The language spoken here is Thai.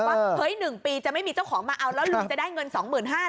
ว่าเฮ้ย๑ปีจะไม่มีเจ้าของมาเอาแล้วลุงจะได้เงิน๒๕๐๐